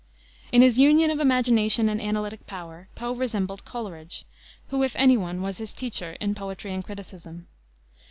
In his union of imagination and analytic power Poe resembled Coleridge, who, if any one, was his teacher in poetry and criticism.